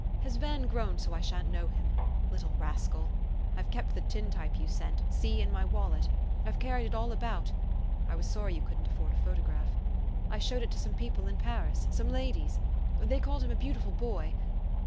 Has Van grown so I sha' n't know him? Little rascal ! I've kept the tin tj^pe you sent see in my wallet. I've carried it all about. I was sorry you couldn't afford a photograph. I showed it to some people in Paris some ladies. They called him a beautiful boy.